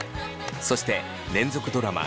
そして連続ドラマ